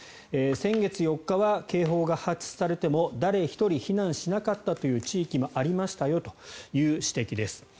先月４日は警報が発出されても誰一人避難しなかったという地域もありましたよという指摘です。